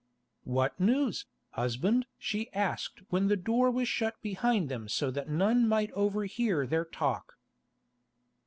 "What news, husband?" she asked when the door was shut behind them so that none might overhear their talk.